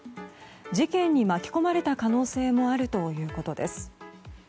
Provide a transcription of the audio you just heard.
事件に巻き込まれた可能性もあるということです。